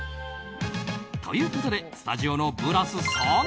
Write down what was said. ということでスタジオのブラスさん